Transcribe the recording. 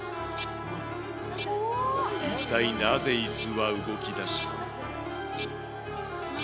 一体なぜいすは動きだしたのか。